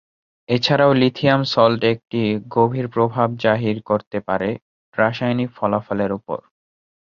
এছাড়াও lithium salt একটি গভীর প্রভাব জাহির করতে পারে রাসায়নিক ফলাফলের উপর।